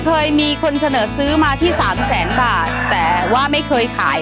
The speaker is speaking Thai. เคยมีคนเสนอซื้อมาที่สามแสนบาทแต่ว่าไม่เคยขาย